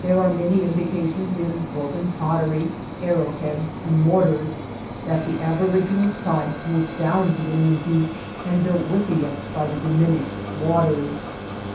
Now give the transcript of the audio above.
are many indications in broken pottery, arrow heads, and mortars that the aboriginal tribes moved down to the new beach and built wick iups by the diminished waters.